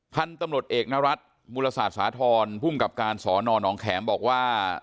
ท่านตำรวจเอกนรัฐมุรษฎสาธรณ์พุ่มกับการสอนอนองแขมบอกว่า